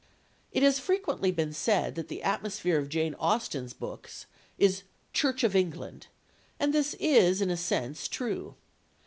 It has frequently been said that the atmosphere of Jane Austen's books is "Church of England," and this is in a sense true.